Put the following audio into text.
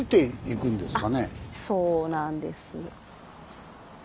そうなんです。